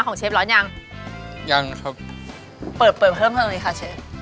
โอเคงั้นเอา๖